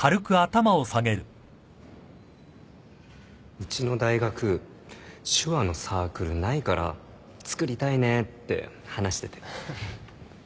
うちの大学手話のサークルないからつくりたいねって話してて。